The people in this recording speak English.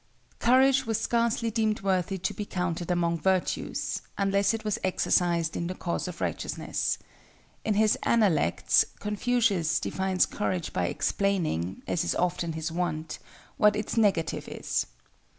Courage was scarcely deemed worthy to be counted among virtues, unless it was exercised in the cause of Righteousness. In his "Analects" Confucius defines Courage by explaining, as is often his wont, what its negative is.